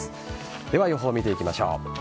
では予報を見ていきましょう。